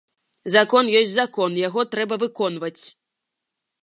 Закон ёсць закон, яго трэба выконваць.